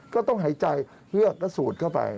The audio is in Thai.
ก็ต้องหายใจเฮือกก็สูดเข้าไป